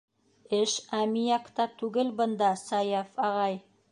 Эш аммиакта түгел бында, Саяф ағай!